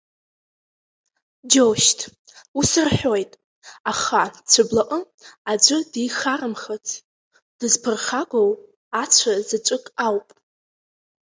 Џьоушьҭ, ус рҳәоит, аха Цәыблаҟы аӡәы дихарамхац, дызԥырхагоу ацәа заҵәык ауп.